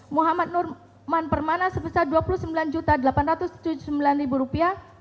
muhammad nurman permana sebesar dua puluh sembilan delapan ratus tujuh puluh sembilan rupiah